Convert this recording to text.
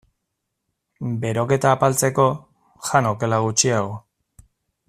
Beroketa apaltzeko, jan okela gutxiago.